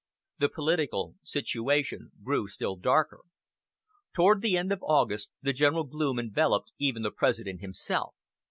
The political situation grew still darker. Toward the end of August the general gloom enveloped even the President himself.